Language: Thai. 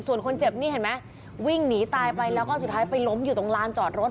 ส่วนคนเจ็บนี่เห็นไหมวิ่งหนีตายไปแล้วก็สุดท้ายไปล้มอยู่ตรงลานจอดรถ